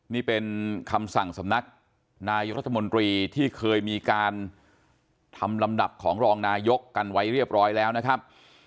นี่เป็นคำสั่งสำนักนายรัฐมนตรีที่เคยมีการทำลำดับของรองนายกกันไว้เรียบร้อยแล้วนะครับ